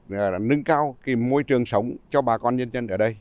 và nâng cao môi trường sống cho bà con nhân dân ở đây